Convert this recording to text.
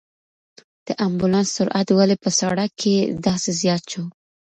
د امبولانس سرعت ولې په سړک کې داسې زیات شو؟